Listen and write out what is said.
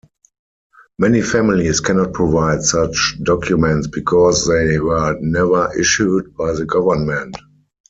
Many families cannot provide such documents because they were never issued by the government.